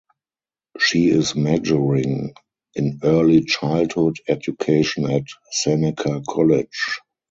She is majoring in early childhood education at Seneca College.